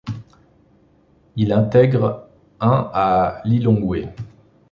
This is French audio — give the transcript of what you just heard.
Il intègre l à Lilongwe.